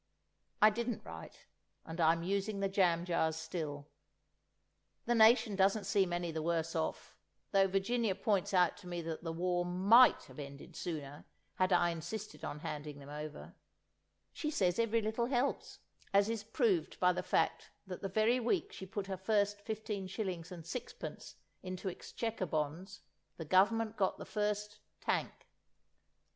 I didn't write, and I'm using the jam jars still. The nation doesn't seem any the worse off—though Virginia points out to me that the War might have ended sooner had I insisted on handing them over; she says every little helps, as is proved by the fact that the very week she put her first 15_s._ 6_d._ into Exchequer Bonds the Government got the first "tank."